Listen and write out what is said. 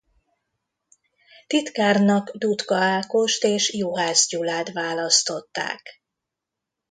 Titkárnak Dutka Ákost és Juhász Gyulát választották.